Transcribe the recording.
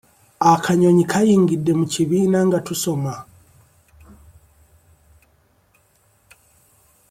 Akanyonyi kayingidde mu kibiina nga tusoma.